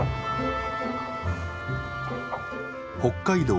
北海道